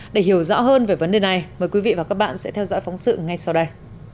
để hiểu rõ hơn về vấn đề này mời quý vị và các bạn sẽ theo dõi phóng sự ngay sau đây